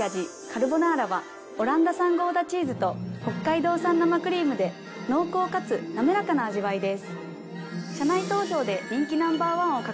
カルボナーラはオランダ産ゴーダチーズと北海道産生クリームで濃厚かつ滑らかな味わいです。